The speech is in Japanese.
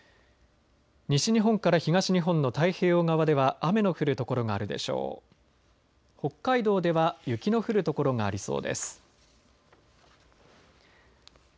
西日本から東日本の太平洋側では雨の降る所があるでしょう。